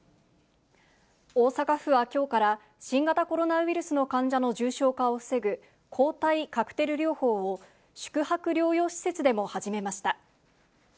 大阪府はきょうから、新型コロナウイルスの患者の重症化を防ぐ抗体カクテル療法を、宿泊療養施設でも始めました。